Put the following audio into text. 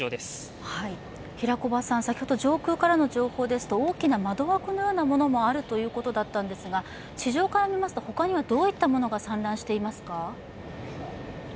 先ほど、上空からの情報ですと大きな窓枠のようなものもあるということだったんですが地上から見ますと、ほかにはどういったものが散乱していますか？